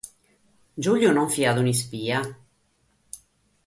Giulio non fiat un'ispia.